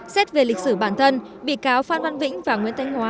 xét về lịch sử bản thân bị cáo phan văn vĩnh và nguyễn thanh hóa